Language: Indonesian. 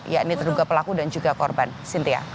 ya ini terduga pelaku dan juga korban cynthia